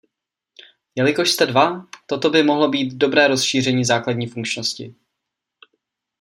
Jelikož jste dva, toto by mohlo být dobré rozšíření základní funkčnosti.